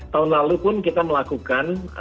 tahun lalu pun kita melakukan